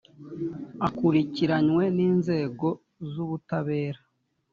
akurikiranywe n inzego z ubutabera